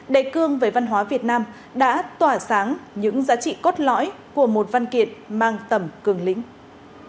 đề cương về văn hóa việt nam đã tỏa sáng những giá trị cốt lõi của một văn kiện mang tầm cường lĩnh